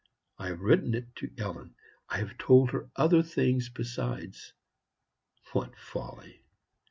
I have written it to Ellen. I have told her other things besides. What folly!